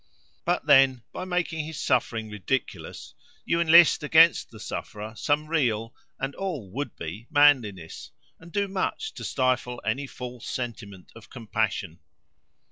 But then, by making his suffering ridiculous, you enlist against the sufferer, some real, and all would be manliness, and do much to stifle any false sentiment of compassion.